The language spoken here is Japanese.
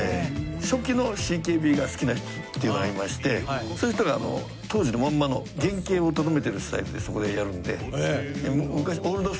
初期のＣＫＢが好きな人っていうのがいましてそういう人が当時のまんまの原型をとどめてるスタイルでそこでやるんで。